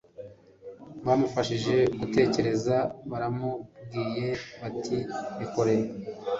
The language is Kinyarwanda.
bamufashije gutekereza baramubwiye bati bikore